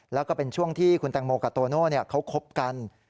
แล้วก็เป็นช่วงที่คุณแตงโมกับโตโน่เขาคบกัน